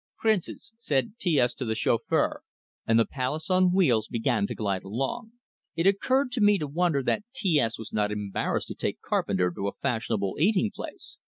"Prince's," said T S to the chauffeur, and the palace on wheels began to glide along. It occurred to me to wonder that T S was not embarrassed to take Carpenter to a fashionable eating place.